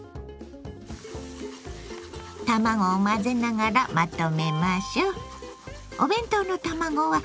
卵を混ぜながらまとめましょ。